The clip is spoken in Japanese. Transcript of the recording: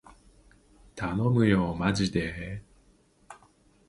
たのむよーまじでー